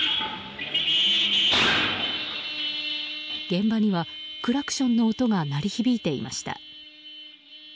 現場には、クラクションの音が鳴り響いていました。